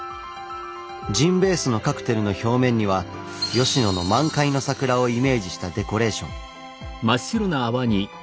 ジンベースのカクテルの表面には吉野の満開の桜をイメージしたデコレーション。